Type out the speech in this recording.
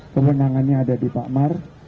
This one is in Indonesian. kewenangannya ada di pak mar